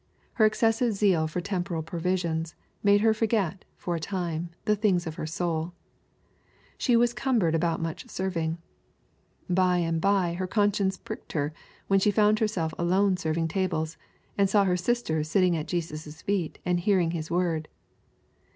Her excessive zeal for temporal provisions, made her forget, for a time, the things of her soul. "She was cumbered about much serving/'— By and bye her conscicDce pricked her when she found herself alone serv ing tables, and saw her sister sitting at Jesus' feet and hearing His word.